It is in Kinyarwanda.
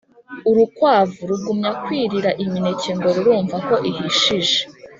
urukwavu Rugumya kwirira imineke ngo rurumva ko ihishije